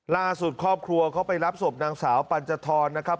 ล่าสุดครอบครัวเขาไปรับศพนางสาวปัญจทรนะครับ